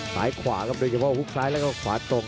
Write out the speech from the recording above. ขวาครับโดยเฉพาะฮุกซ้ายแล้วก็ขวาตรง